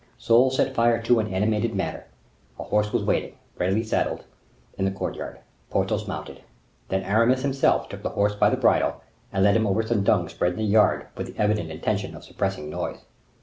Soul set fire to and animated matter. A horse was waiting, ready saddled, in the courtyard. Porthos mounted. Then Aramis himself took the horse by the bridle, and led him over some dung spread in the yard, with the evident intention of suppressing noise.